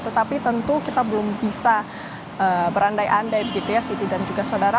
tetapi tentu kita belum bisa berandai andai begitu ya siti dan juga saudara